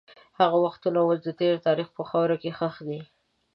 هغه وختونه اوس د تېر تاریخ په خاوره کې ښخ دي.